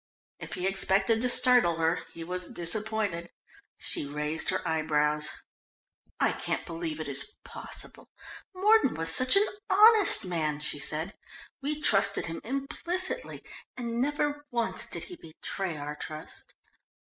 If he expected to startle her he was disappointed. She raised her eyebrows. "I can't believe it is possible. Mordon was such an honest man," she said. "We trusted him implicitly, and never once did he betray our trust.